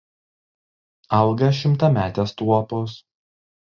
Auga šimtametės tuopos.